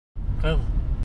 Ҡыҙ